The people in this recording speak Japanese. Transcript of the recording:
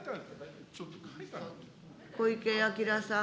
小池晃さん。